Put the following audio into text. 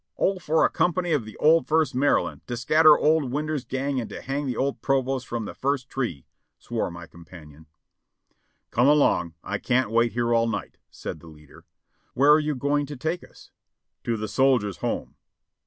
"O for a company of the old First Maryland, to scatter old 600 JOHNNY REB AND BILLY YANK Winder's gang and to hang the old provost from the first tree," swore my companion. "Come along; I can't wait here all night," said the leader. "Where are you going to take us?" "To the Soldiers' Home."